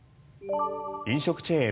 飲食チェーン